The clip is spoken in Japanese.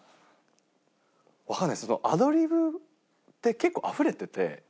アドリブって結構あふれてて。